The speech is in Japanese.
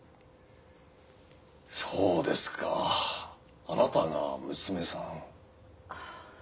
そうですかあなたが娘さん。